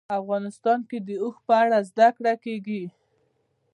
افغانستان کې د اوښ په اړه زده کړه کېږي.